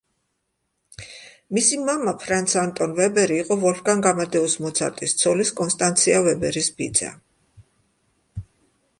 მისი მამა ფრანც ანტონ ვებერი იყო ვოლფგანგ ამადეუს მოცარტის ცოლის კონსტანცია ვებერის ბიძა.